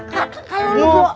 ya saya mau berubah